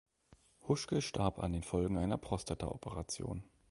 Huschke starb an den Folgen einer Prostata-Operation.